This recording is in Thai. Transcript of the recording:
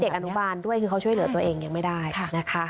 แล้วมีเด็กอันบาลด้วยคือเขาช่วยเหลือตัวเองยังไม่ได้นะคะ